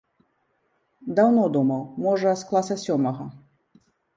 Даўно думаў, можа з класа сёмага.